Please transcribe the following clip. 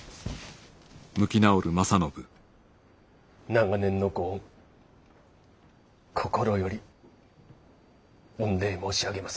長年のご恩心より御礼申し上げまする。